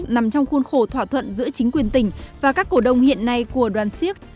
nằm trong khuôn khổ thỏa thuận giữa chính quyền tỉnh và các cổ đông hiện nay của đoàn siếc